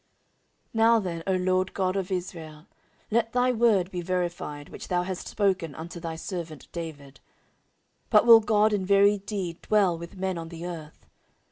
14:006:017 Now then, O LORD God of Israel, let thy word be verified, which thou hast spoken unto thy servant David. 14:006:018 But will God in very deed dwell with men on the earth?